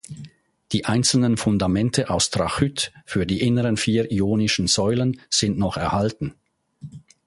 Die einzelnen Fundamente aus Trachyt für die inneren vier ionischen Säulen sind noch erhalten.